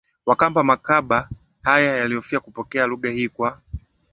Wakamba Makaba haya yaliofia kupokea lugha hii kwa